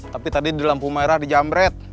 tapi tadi di lampu merah dijamret